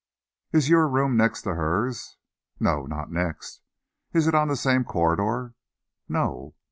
"Is your room next to hers?" "No, not next." "Is it on the same corridor?" "No."